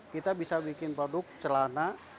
kita bisa bikin produk celana